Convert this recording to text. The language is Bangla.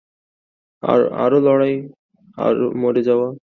আরো লড়াই, মরে যাওয়া।